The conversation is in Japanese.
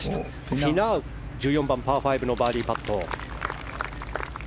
フィナウ、１４番パー５のバーディーパット。